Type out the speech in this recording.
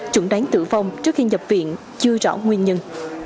chuẩn đoán tử vong trước khi nhập viện chưa rõ nguyên nhân